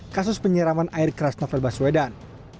kasus penyiraman air keras novel baswedan